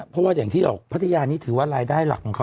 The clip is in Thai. เพราะว่าอย่างที่เราพัทยานี่ถือว่ารายได้หลักของเขา